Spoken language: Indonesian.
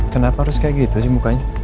kenapa harus kayak gitu sih mukanya